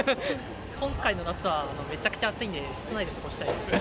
今回の夏は、めちゃくちゃ暑いんで、室内で過ごしたいです。